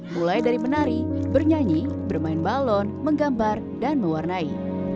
mulai dari menari bernyanyi bermain balon menggambar dan mewarnai